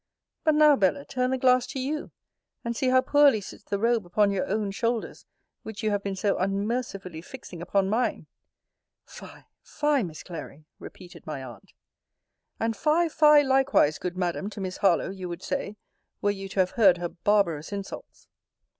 But now, Bella, turn the glass to you, and see how poorly sits the robe upon your own shoulders, which you have been so unmercifully fixing upon mine! Fie, fie, Miss Clary! repeated my aunt. And fie, fie, likewise, good Madam, to Miss Harlowe, you would say, were you to have heard her barbarous insults!